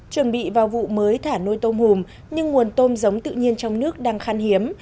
chuẩn bị vào vụ mới thả nuôi tôm hùm nhưng nguồn tôm giống tự nhiên trong nước đang khăn hiếm